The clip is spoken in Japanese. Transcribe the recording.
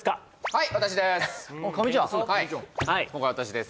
はい私です！